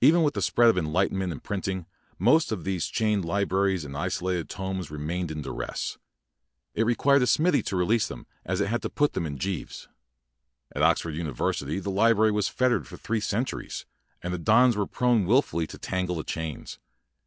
Even with the spread of enlightenment and printing, most of these chained li braries and isolated tomes remained in duress. It required a smithy to re lease them, as it had to put them in gyves. At Oxford University the li brary was fettered for three cen turies, and the dons were prone wil fully to tangle tiie chains.